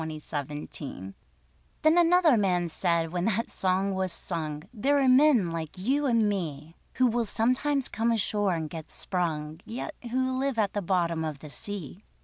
THE MERMAN Then another man said when that song was sung: There are men like you and me, Who will sometimes come ashore and get sprung, Yet who live at the bottom of the sea.